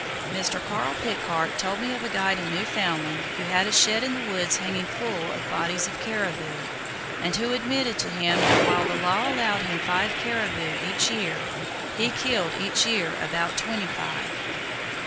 Mr. Carl Pickhardt told me of a guide in Newfoundland who had a shed in the woods hanging full of bodies of caribou, and who admitted to him that while the law allowed him five caribou each year, he killed each year about twenty five.